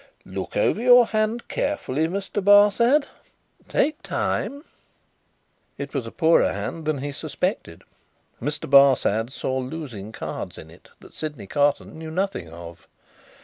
"Look over your hand carefully, Mr. Barsad. Take time." It was a poorer hand than he suspected. Mr. Barsad saw losing cards in it that Sydney Carton knew nothing of.